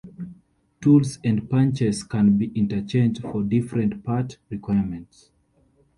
Tools and punches can be interchanged for different part requirements.